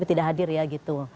tidak hadir ya gitu